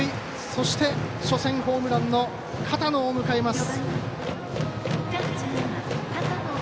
そして、初戦ホームランの片野を迎えます。